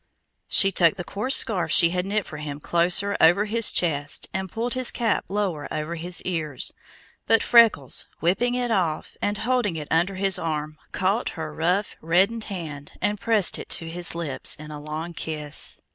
She tucked the coarse scarf she had knit for him closer over his chest and pulled his cap lower over his ears, but Freckles, whipping it off and holding it under his arm, caught her rough, reddened hand and pressed it to his lips in a long kiss.